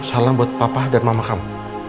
salam buat papa dan mama kamu